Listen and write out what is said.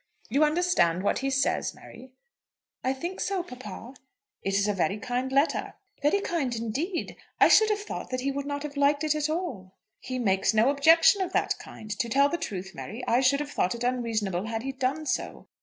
"You understand what he says, Mary?" "I think so, papa." "It is a very kind letter." "Very kind indeed. I should have thought that he would not have liked it at all." "He makes no objection of that kind. To tell the truth, Mary, I should have thought it unreasonable had he done so.